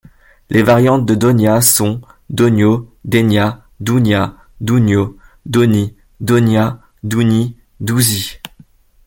Les variantes de Donia sont: Donio, Denia, Dounia, Dounio, Donni, Donnia, Douni, Douzi.